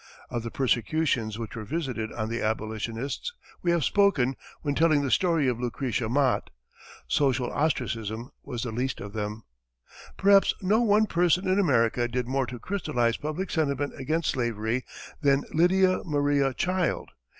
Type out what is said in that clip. Of the persecutions which were visited on the abolitionists we have spoken when telling the story of Lucretia Mott. Social ostracism was the least of them. Perhaps no one person in America did more to crystalize public sentiment against slavery than Lydia Maria Child.